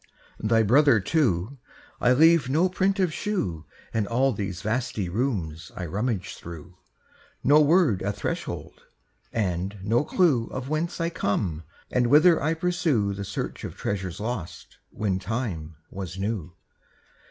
Thy brother too, I leave no print of shoe In all these vasty rooms I rummage through, No word at threshold, and no clue Of whence I come and whither I pursue The search of treasures lost When time was new.